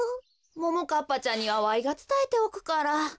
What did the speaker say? ももかっぱちゃんにはわいがつたえておくから。